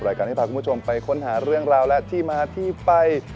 การให้พาคุณผู้ชมไปค้นหาเรื่องราวและที่มาที่ไป